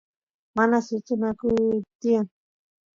mana sustukunayku tiyan